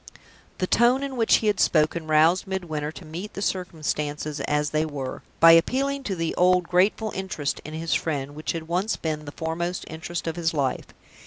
The tone in which he had spoken roused Midwinter to meet the circumstances as they were, by appealing to the old grateful interest in his friend which had once been the foremost interest of his life.